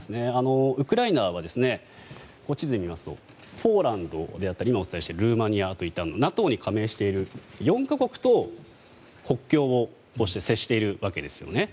ウクライナは地図で見ますとポーランドであったりルーマニアといったＮＡＴＯに加盟している４か国と、国境を接しているわけですよね。